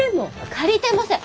借りてません！